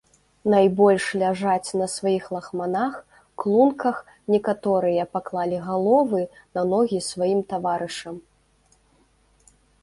Найбольш ляжаць на сваіх лахманах, клунках, некаторыя паклалі галовы на ногі сваім таварышам.